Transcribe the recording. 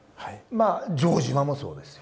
まあ城島もそうですよ。